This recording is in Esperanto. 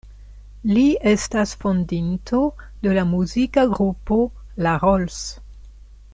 Li estas fondinto de la muzika grupo La Rolls.